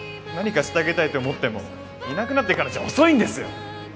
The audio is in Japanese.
何かしてあげたいと思ってもいなくなってからじゃ遅いんですよ！